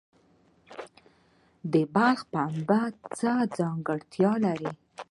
د بلخ پنبه څه ځانګړتیا لري؟